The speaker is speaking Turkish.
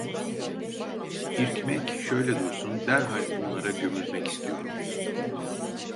İrkmek şöyle dursun, derhal bunlara gömülmek istiyorum.